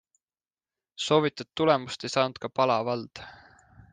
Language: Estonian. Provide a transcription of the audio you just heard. Soovitud tulemust ei saanud ka Pala vald.